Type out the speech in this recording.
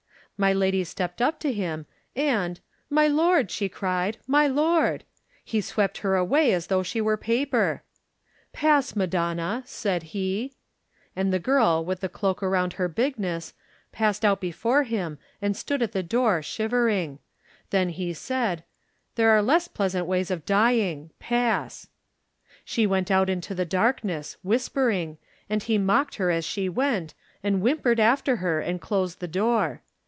"My lady stepped up to him, and, *My lord,' she cried, *my lord!' He swept her away as though she were paper. "*Pass, Madonna,' said he. "And the girl with the cloak around her 83 Digitized by Google THE NINTH MAN bigness passed out before him and stood at the door, shivering. Then he said: 'There are less pleasant ways of dying. Passr "She went out into the darkness, whis pering, and he mocked her as she went, and whimpered after her and closed the door.